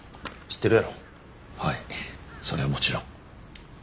はいそれはもちろん。